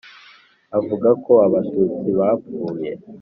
Avuga ko Abatutsi bapfuye